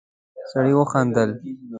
سړی وخندل.